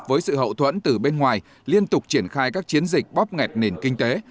với sự hậu thuẫn từ bên ngoài liên tục triển khai các chiến dịch bóp nghẹt nền kinh tế